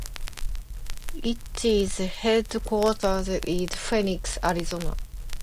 It is headquartered in Phoenix, Arizona.